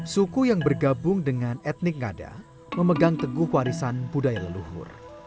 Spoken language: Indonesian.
suku yang bergabung dengan etnik ngada memegang teguh warisan budaya leluhur